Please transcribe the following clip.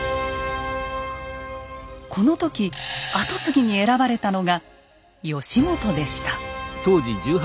この時跡継ぎに選ばれたのが義元でした。